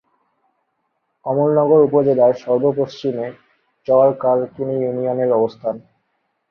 কমলনগর উপজেলার সর্ব-পশ্চিমে চর কালকিনি ইউনিয়নের অবস্থান।